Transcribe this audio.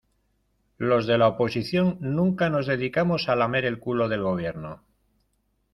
Los de la oposición nunca nos dedicamos a lamer el culo del Gobierno.